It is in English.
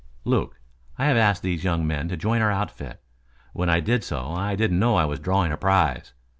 "Luke, I have asked these young men to join our outfit. When I did so, I didn't know I was drawing a prize.